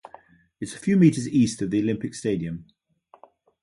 It is a few metres east of the Olympic Stadium.